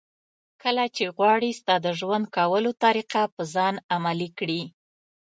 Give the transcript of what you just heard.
کله چې غواړي ستا د ژوند کولو طریقه په ځان عملي کړي.